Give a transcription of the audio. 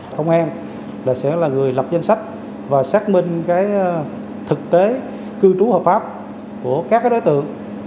công an sẽ là người lập danh sách và xác minh thực tế cư trú hợp pháp của các đối tượng